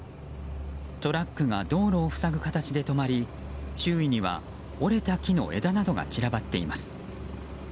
トラックが道路を塞ぐ形で止まり周囲には折れた木の枝などが散らばっています。